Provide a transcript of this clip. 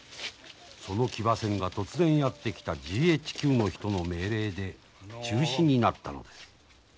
その騎馬戦が突然やって来たＧＨＱの人の命令で中止になったのです。